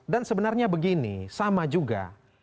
dan sebenarnya begini sama juga